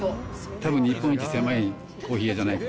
たぶん日本一狭いコーヒー屋じゃないか。